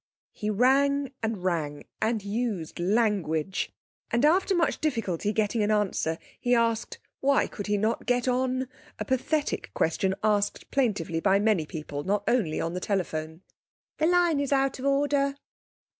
He rang and rang (and used language), and after much difficulty getting an answer he asked, 'Why he could not get on' a pathetic question asked plaintively by many people (not only on the telephone). 'The line is out of order.'